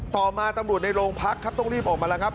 ต่อมาตำรวจในโรงพักครับต้องรีบออกมาแล้วครับ